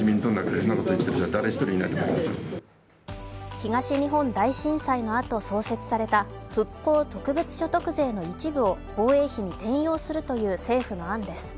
東日本大震災のあと創設された復興特別所得税の一部を防衛費に転用するという政府の案です。